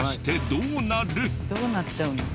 どうなっちゃうの？